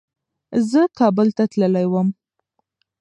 زه کابل ته تللی وم.